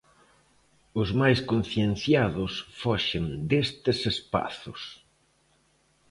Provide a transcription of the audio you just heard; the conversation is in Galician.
Os máis concienciados foxen destes espazos.